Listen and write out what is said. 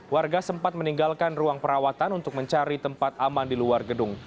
warga sempat meninggalkan ruang perawatan untuk mencari tempat aman di luar gedung